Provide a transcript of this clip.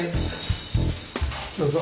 どうぞ。